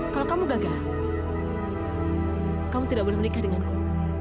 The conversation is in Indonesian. kalau kamu gagal kamu tidak boleh menikah denganku